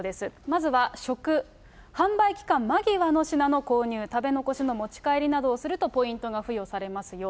まずは食、販売期間間際の品の購入、食べ残しの持ち帰りなどをするとポイントが付与されますよ。